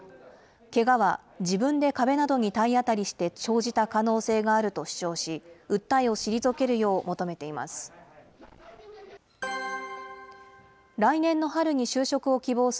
けがは自分で壁などに体当たりして生じた可能性があると主張し、訴えを退けるよう求めています。